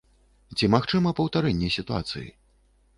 Ці магчыма паўтарэнне сітуацыі?